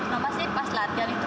nah pasti pas latihan itu